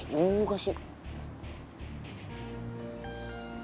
iya juga sih